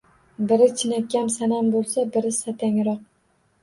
Biri chinakam sanam bo‘lsa, biri satangroq